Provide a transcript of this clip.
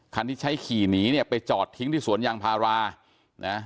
ที่ใช้ขี่หนีเนี่ยไปจอดทิ้งที่สวนยางพารานะ